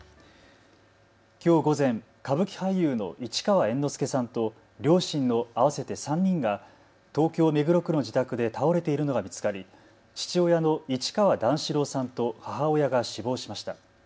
きょう午前、歌舞伎俳優の市川猿之助さんと両親の合わせて３人が東京目黒区の自宅で倒れているのが見つかり父親の市川段四郎さんと母親が死亡しました。